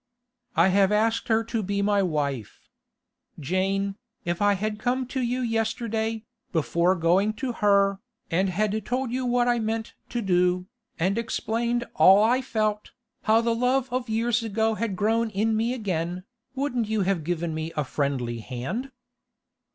'I have asked her to be my wife. Jane, if I had come to you yesterday, before going to her, and had told you what I meant to do, and explained all I felt, how the love of years ago had grown in me again, wouldn't you have given me a friendly hand?